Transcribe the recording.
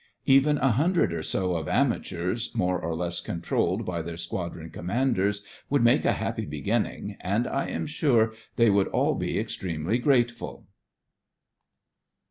Even a hundred or so of amateurs, more or less controlled by their squadron commanders, would make a happy beginning, and I am sure they would all be extremely grateful.